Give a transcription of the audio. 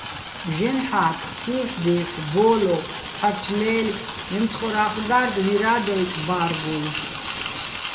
ჟეჼ ჰ̦ა́თხ, სივჰ̦-დივჰ̦ ბო́ლო ფჰ̦არჩ ლე́ლე̆, მემცხორა́ხ გა́რდ, ვირა́ დაიწო̆ ბა́რგუვ.